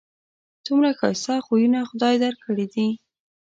څومره ښایسته خویونه خدای در کړي دي